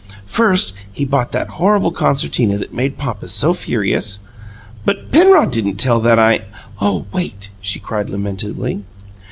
"First, he bought that horrible concertina that made papa so furious " "But Penrod didn't tell that I " "Oh, wait!" she cried lamentably.